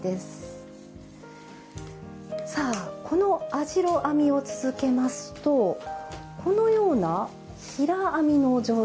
この網代編みを続けますとこのような平編みの状態になります。